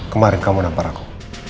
kemarin kamu nampar aku